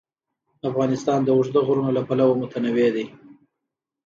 افغانستان د اوږده غرونه له پلوه متنوع دی.